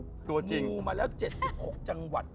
งูมาแล้ว๗๖จังหวัด